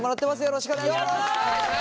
よろしくお願いします。